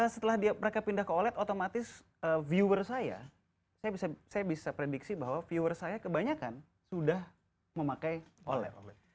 setelah mereka pindah ke oled otomatis viewer saya saya bisa prediksi bahwa viewer saya kebanyakan sudah memakai oleh oleh